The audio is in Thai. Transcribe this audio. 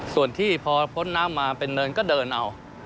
ส่วนที่พอพ้นน้ำมาเป็นเนินก็เดินเอา